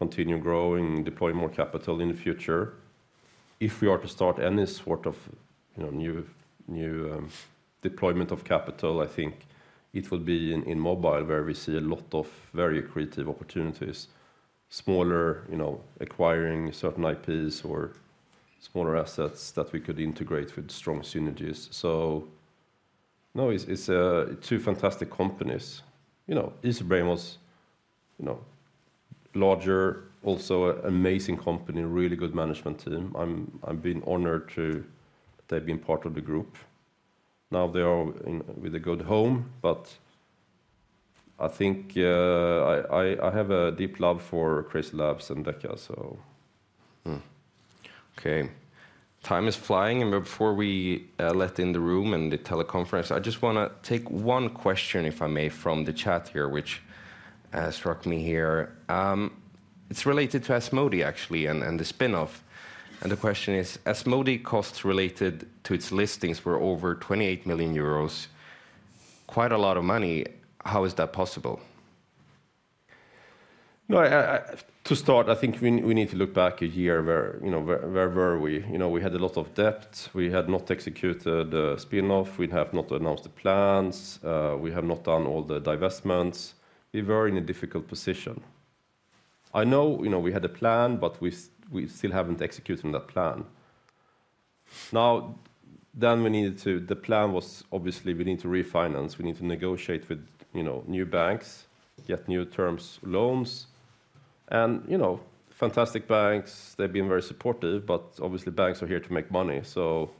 continue growing, deploy more capital in the future. If we are to start any sort of new deployment of capital, I think it will be in mobile where we see a lot of very creative opportunities, smaller acquiring certain IPs or smaller assets that we could integrate with strong synergies. So no, it's two fantastic companies. Easybrain was larger, also an amazing company, really good management team. I've been honored to have been part of the group. Now they are with a good home. But I think I have a deep love for CrazyLabs and DECA, so. Okay. Time is flying. And before we let in the room and the teleconference, I just want to take one question, if I may, from the chat here, which struck me here. It's related to Asmodee, actually, and the spin-off. And the question is, Asmodee costs related to its listings were over 28 million euros. Quite a lot of money. How is that possible? To start, I think we need to look back a year. Where were we? We had a lot of debt. We had not executed the spin-off. We have not announced the plans. We have not done all the divestments. We were in a difficult position. I know we had a plan, but we still haven't executed that plan. Now, the plan was obviously we need to refinance. We need to negotiate with new banks, get new term loans. And fantastic banks, they've been very supportive. But obviously, banks are here to make money. So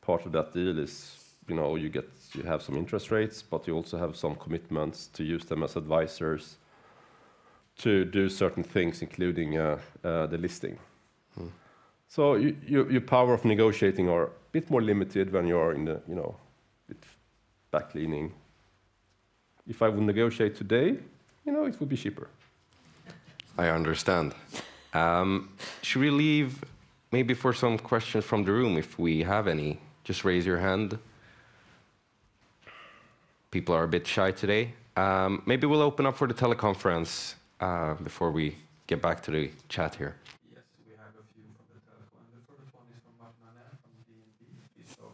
part of that deal is you have some interest rates, but you also have some commitments to use them as advisors to do certain things, including the listing. So your power of negotiating are a bit more limited when you are in the back-leaning. If I would negotiate today, it would be cheaper. I understand. Should we leave maybe for some questions from the room if we have any? Just raise your hand. People are a bit shy today. Maybe we'll open up for the teleconference before we get back to the chat here. Yes, we have a few from the telecon. The first one is from Mark Nenninger from BNP Paribas. Please go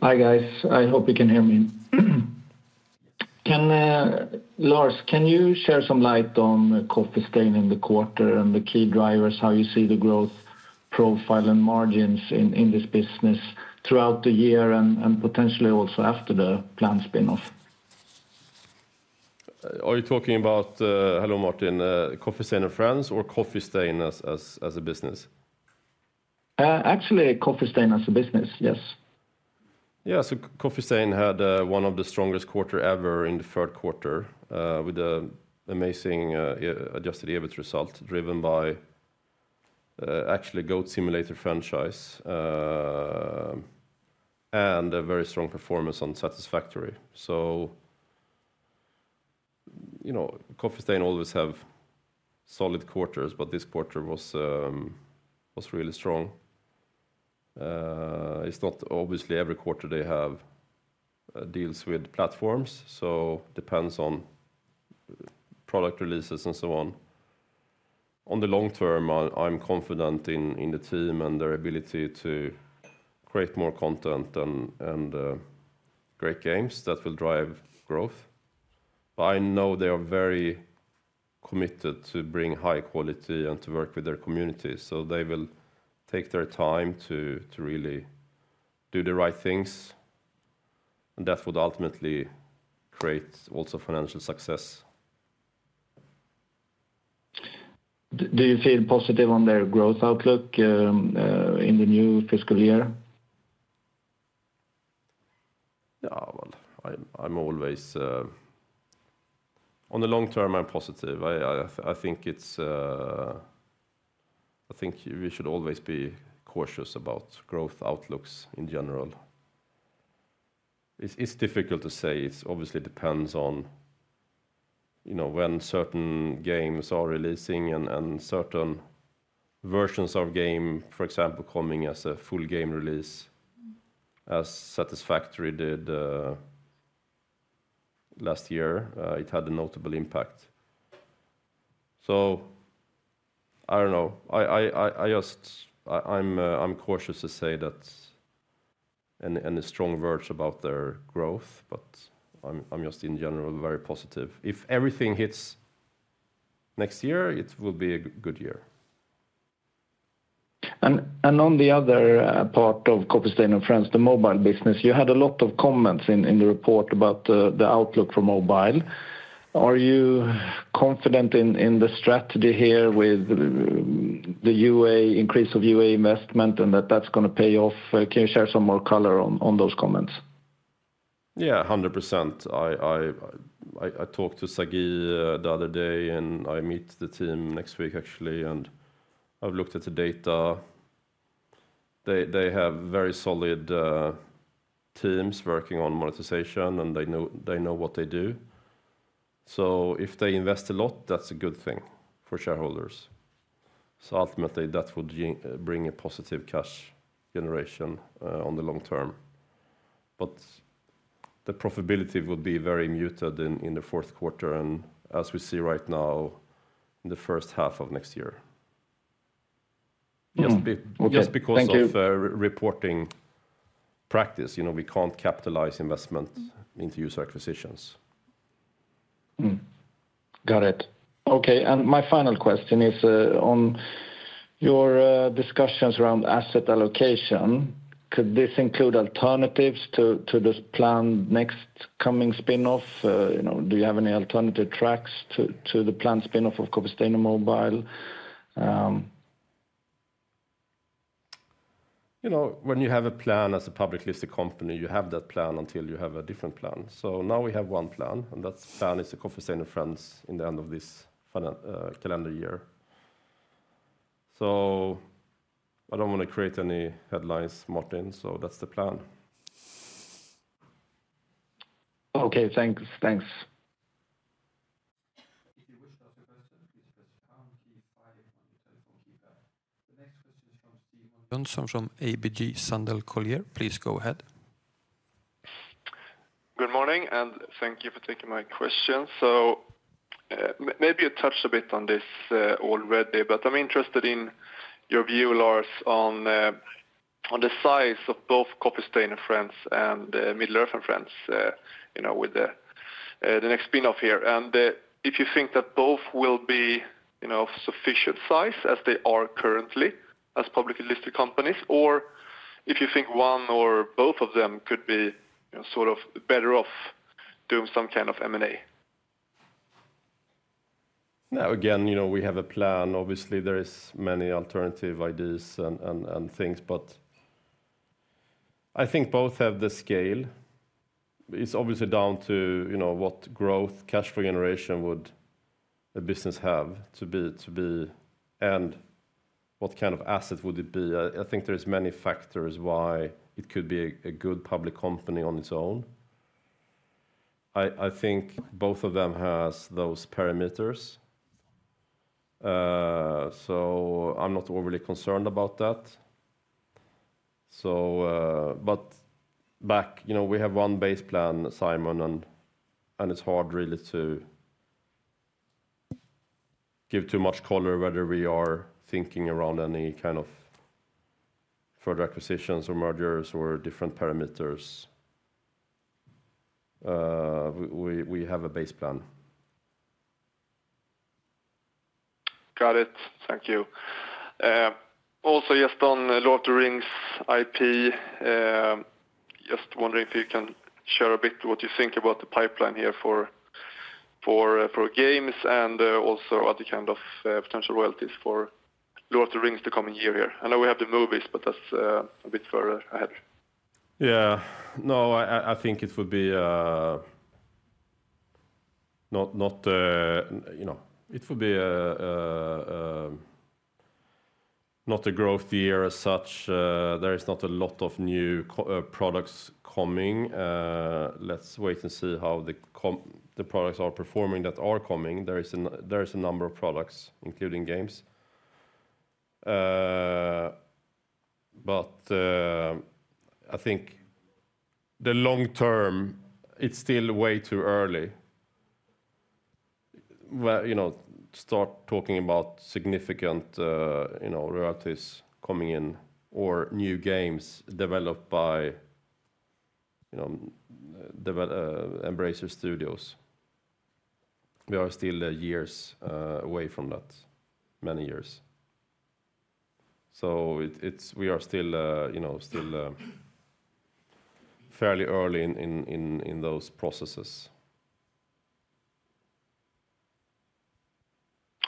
ahead. Hi, guys. I hope you can hear me. Lars Wingefors, can you share some light on Coffee Stain in the quarter and the key drivers, how you see the growth profile and margins in this business throughout the year and potentially also after the planned spin-off? Are you talking about, hello, Martin, Coffee Stain and Friends or Coffee Stain as a business? Actually, Coffee Stain as a business, yes. Yeah, so Coffee Stain had one of the strongest quarters ever in the third quarter with an amazing Adjusted EBIT result driven by actually Goat Simulator franchise and a very strong performance on Satisfactory. So Coffee Stain always have solid quarters, but this quarter was really strong. It's not obviously every quarter they have deals with platforms. So it depends on product releases and so on. On the long term, I'm confident in the team and their ability to create more content and great games that will drive growth. But I know they are very committed to bring high quality and to work with their community. So they will take their time to really do the right things. And that would ultimately create also financial success. Do you feel positive on their growth outlook in the new fiscal year? Yeah, well, I'm always on the long term, I'm positive. I think we should always be cautious about growth outlooks in general. It's difficult to say. It obviously depends on when certain games are releasing and certain versions of game, for example, coming as a full game release. As Satisfactory did last year, it had a notable impact. So I don't know. I'm cautious to say that any strong words about their growth, but I'm just in general very positive. If everything hits next year, it will be a good year. And on the other part of Coffee Stain and Friends, the mobile business, you had a lot of comments in the report about the outlook for mobile. Are you confident in the strategy here with the increase of UA investment and that that's going to pay off? Can you share some more color on those comments? Yeah, 100%. I talked to Sagi the other day, and I meet the team next week, actually. I've looked at the data. They have very solid teams working on monetization, and they know what they do. If they invest a lot, that's a good thing for shareholders. Ultimately, that would bring a positive cash generation on the long term. The profitability would be very muted in the fourth quarter and, as we see right now, in the first half of next year. Just because of reporting practice, we can't capitalize investments into user acquisitions. Got it. Okay. My final question is on your discussions around asset allocation. Could this include alternatives to the planned next coming spinoff? Do you have any alternative tracks to the planned spinoff of Coffee Stain and Mobile? When you have a plan as a publicly listed company, you have that plan until you have a different plan. So now we have one plan, and that plan is the Coffee Stain and Friends in the end of this calendar year. So I don't want to create any headlines, Martin, so that's the plan. Okay, thanks. If you wish to ask a question, please press pound key five on your telephone keypad. The next question is from Simon Jönsson from ABG Sundal Collier. Please go ahead. Good morning, and thank you for taking my question. So maybe you touched a bit on this already, but I'm interested in your view, Lars, on the size of both Coffee Stain and Friends and Middle-earth and Friends with the next spinoff here. And if you think that both will be of sufficient size as they are currently as publicly listed companies, or if you think one or both of them could be sort of better off doing some kind of M&A? Now, again, we have a plan. Obviously, there are many alternative ideas and things, but I think both have the scale. It's obviously down to what growth cash flow generation would a business have to be and what kind of asset would it be. I think there are many factors why it could be a good public company on its own. I think both of them have those parameters. So I'm not overly concerned about that. But back, we have one base plan, Simon, and it's hard really to give too much color whether we are thinking around any kind of further acquisitions or mergers or different parameters. We have a base plan. Got it. Thank you. Also, just on Lord of the Rings IP, just wondering if you can share a bit what you think about the pipeline here for games and also other kinds of potential royalties for Lord of the Rings the coming year here. I know we have the movies, but that's a bit further ahead. Yeah. No, I think it would be not a growth year as such. There is not a lot of new products coming. Let's wait and see how the products are performing that are coming. There is a number of products, including games. But I think the long term, it's still way too early to start talking about significant royalties coming in or new games developed by Embracer studios. We are still years away from that, many years. So we are still fairly early in those processes.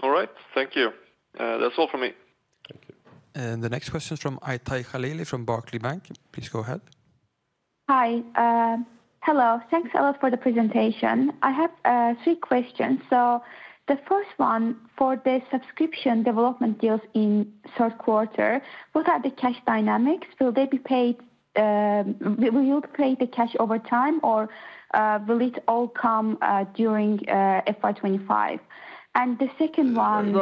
All right. Thank you. That's all from me. Thank you. And the next question is from Aytaj Khalilli from Barclays. Please go ahead. Hi. Hello. Thanks a lot for the presentation. I have three questions. So the first one, for the subscription development deals in third quarter, what are the cash dynamics? Will they be paid? Will you receive the cash over time, or will it all come during FY25? And the second one.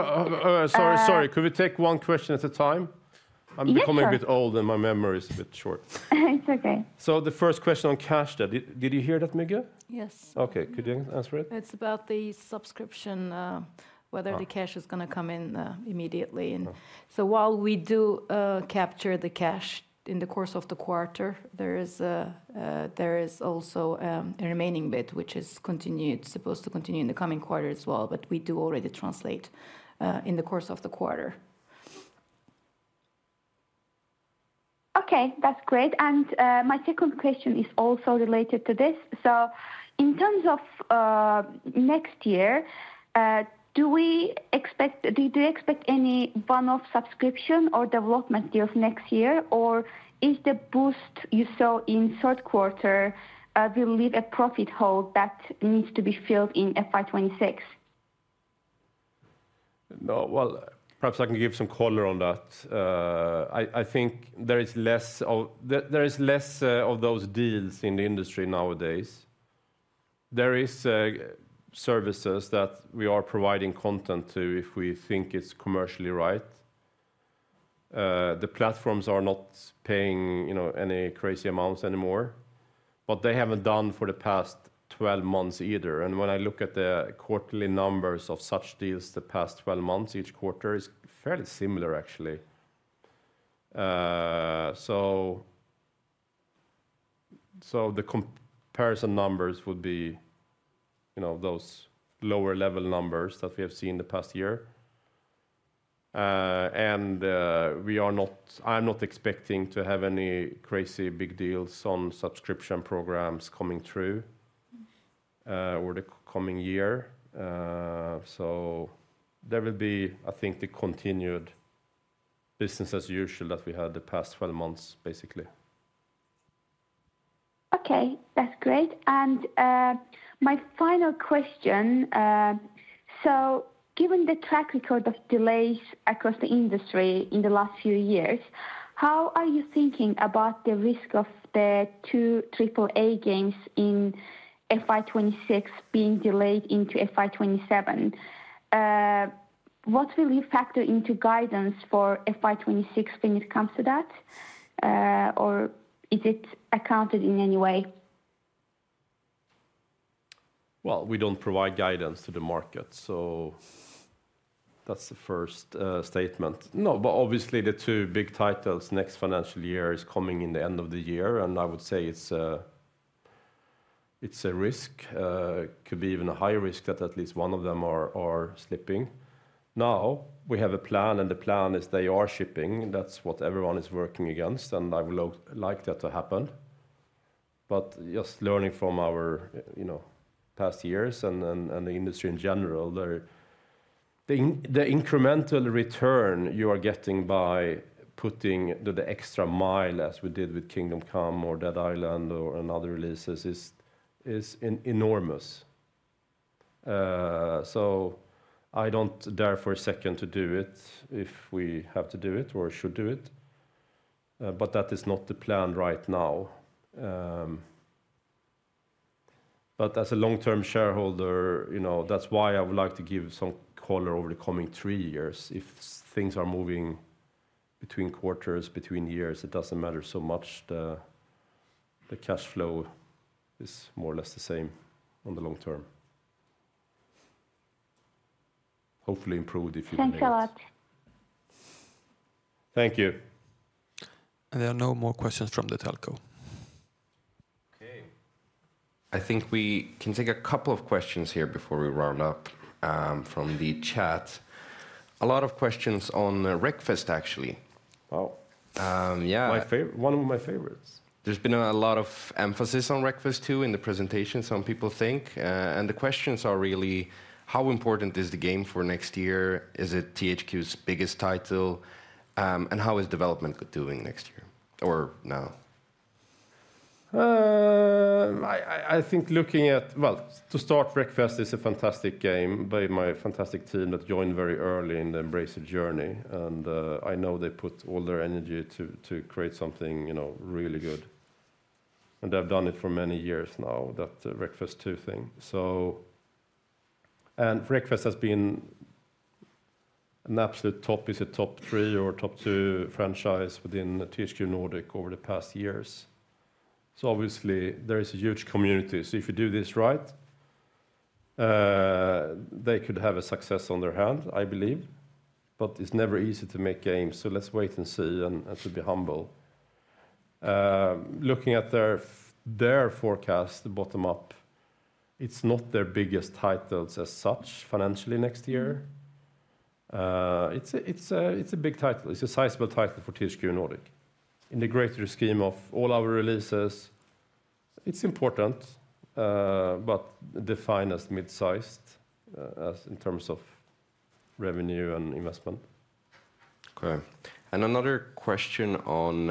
Sorry, sorry. Could we take one question at a time? Yeah, sure. I'm becoming a bit old, and my memory is a bit short. It's okay. So the first question on cash, did you hear that, Müge? Yes. Okay. Could you answer it? It's about the subscription, whether the cash is going to come in immediately. And so while we do capture the cash in the course of the quarter, there is also a remaining bit, which is supposed to continue in the coming quarter as well. But we do already translate in the course of the quarter. Okay, that's great. And my second question is also related to this. So in terms of next year, do we expect any one-off subscription or development deals next year, or is the boost you saw in third quarter will leave a profit hole that needs to be filled in FY26? No. Well, perhaps I can give some color on that. I think there is less of those deals in the industry nowadays. There are services that we are providing content to if we think it's commercially right. The platforms are not paying any crazy amounts anymore, but they haven't done for the past 12 months either. When I look at the quarterly numbers of such deals the past 12 months, each quarter is fairly similar, actually. The comparison numbers would be those lower-level numbers that we have seen the past year. I'm not expecting to have any crazy big deals on subscription programs coming through over the coming year. There will be, I think, the continued business as usual that we had the past 12 months, basically. Okay, that's great. My final question, so given the track record of delays across the industry in the last few years, how are you thinking about the risk of the two AAA games in FY26 being delayed into FY27? What will you factor into guidance for FY26 when it comes to that, or is it accounted in any way? We don't provide guidance to the market, so that's the first statement. No, but obviously, the two big titles next financial year are coming in the end of the year, and I would say it's a risk. It could be even a high risk that at least one of them is slipping. Now, we have a plan, and the plan is they are shipping. That's what everyone is working against, and I would like that to happen. But just learning from our past years and the industry in general, the incremental return you are getting by putting the extra mile, as we did with Kingdom Come or Dead Island or other releases, is enormous. So I don't dare for a second to do it if we have to do it or should do it. But that is not the plan right now. But as a long-term shareholder, that's why I would like to give some color over the coming three years. If things are moving between quarters, between years, it doesn't matter so much. The cash flow is more or less the same on the long term. Hopefully improved if you want to make it. Thanks a lot. Thank you. And there are no more questions from the telco. Okay. I think we can take a couple of questions here before we round up from the chat. A lot of questions on Wreckfest, actually. Wow. Yeah. One of my favorites. There's been a lot of emphasis on Wreckfest 2, in the presentation, some people think. And the questions are really, how important is the game for next year? Is it THQ's biggest title? And how is development doing next year or now? I think looking at, well, to start, Wreckfest is a fantastic game by my fantastic team that joined very early in the Embracer journey. And I know they put all their energy to create something really good, and they've done it for many years now, that Wreckfest 2 thing. Wreckfest has been an absolute top, is it top three or top two, franchise within THQ Nordic over the past years, so obviously there is a huge community. So if you do this right, they could have a success on their hands, I believe, but it's never easy to make games, so let's wait and see and to be humble. Looking at their forecast, the bottom-up, it's not their biggest titles as such financially next year. It's a big title. It's a sizable title for THQ Nordic. In the greater scheme of all our releases, it's important, but defined as mid-sized in terms of revenue and investment. Okay, and another question on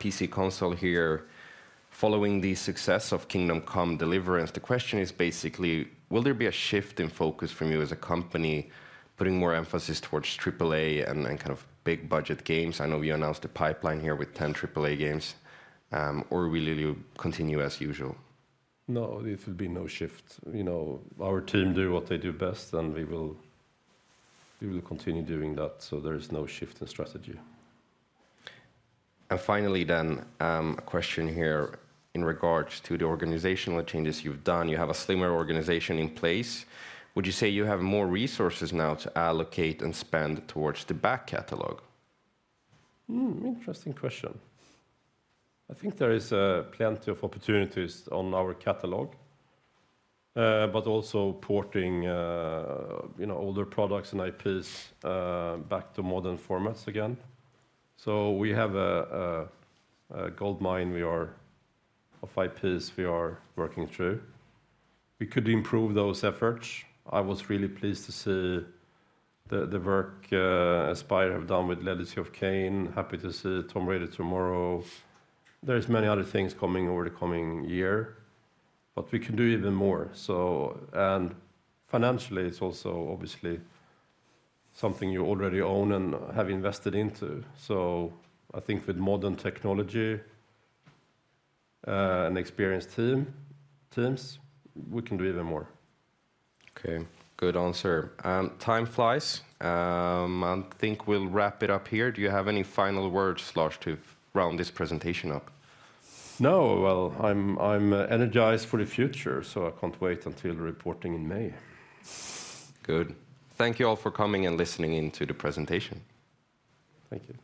PC/console here. Following the success of Kingdom Come: Deliverance, the question is basically, will there be a shift in focus from you as a company putting more emphasis towards AAA and kind of big budget games? I know you announced the pipeline here with 10 AAA games. Or will you continue as usual? No, there will be no shift. Our team do what they do best, and we will continue doing that. So there is no shift in strategy. And finally, then a question here in regards to the organizational changes you've done. You have a slimmer organization in place. Would you say you have more resources now to allocate and spend towards the back catalog? Interesting question. I think there is plenty of opportunities on our catalog, but also porting older products and IPs back to modern formats again. So we have a gold mine of IPs we are working through. We could improve those efforts. I was really pleased to see the work Aspyr have done with Legacy of Kain. Happy to see Tomb Raider tomorrow. There are many other things coming over the coming year, but we can do even more. And financially, it's also obviously something you already own and have invested into. So I think with modern technology and experienced teams, we can do even more. Okay. Good answer. Time flies. I think we'll wrap it up here. Do you have any final words, Lars, to round this presentation up? No. Well, I'm energized for the future, so I can't wait until reporting in May. Good. Thank you all for coming and listening in to the presentation. Thank you.